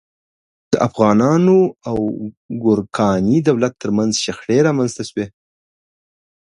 د افغانانو او ګورکاني دولت تر منځ شخړې رامنځته شوې.